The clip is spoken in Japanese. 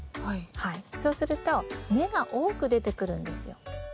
そうすると根が多く出てくるんですよ。